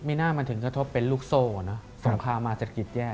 มีหน้ามันถึงกระทบเป็นลูกโซ่เนอะสงครามมาเศรษฐกิจแย่